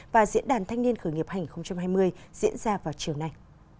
và diễn đàn thanh niên khởi nghiệp hành hai mươi diễn ra vào chiều nay